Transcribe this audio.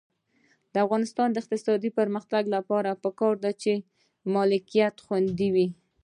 د افغانستان د اقتصادي پرمختګ لپاره پکار ده چې ملکیت خوندي وي.